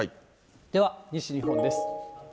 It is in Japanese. では、西日本です。